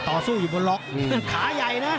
ต่อสู้อยู่บนล็อกเส้นขาใหญ่นะ